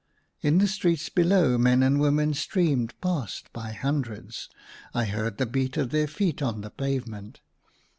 In the streets below, men and women streamed past by hundreds ; I heard the ACROSS MY BED. i8i beat of their feet on the pavement.